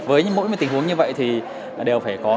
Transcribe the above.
với mỗi một tình huống như vậy thì đều phải có